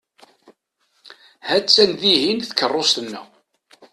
Ha-tt-an dihin tkeṛṛust-nneɣ.